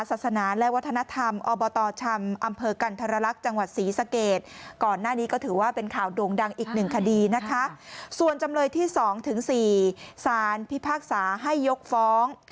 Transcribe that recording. ส่วนจำเลยที่๒ถึง๔สารพิพากษาให้ยกฟ้อง